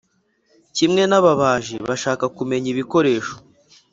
kimwe n'ababaji bashaka kumenya ibikoresho.